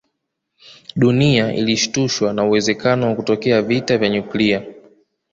Dunia ilishtushwa na uwezekano wa kutokea vita vya nyuklia